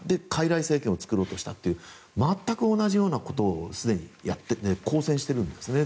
傀儡政権を作ろうとしたという全く同じようなことを、すでに交戦しているんですね。